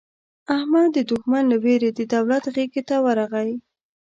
احمد د دوښمن له وېرې د دولت غېږې ته ورغی.